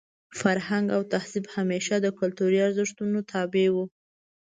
فرهنګ او تهذیب همېشه د کلتوري ارزښتونو تابع وو.